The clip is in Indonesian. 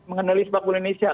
mengenali sepak bola indonesia